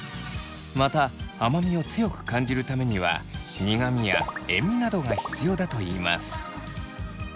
また甘味を強く感じるためには苦味や塩味などが必要だといいます。